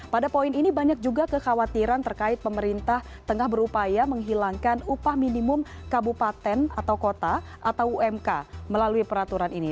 pada poin ini banyak juga kekhawatiran terkait pemerintah tengah berupaya menghilangkan upah minimum kabupaten atau kota atau umk melalui peraturan ini